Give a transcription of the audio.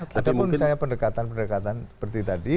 walaupun misalnya pendekatan pendekatan seperti tadi